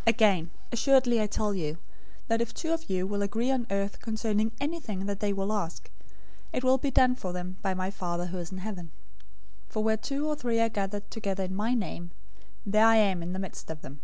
018:019 Again, assuredly I tell you, that if two of you will agree on earth concerning anything that they will ask, it will be done for them by my Father who is in heaven. 018:020 For where two or three are gathered together in my name, there I am in the midst of them."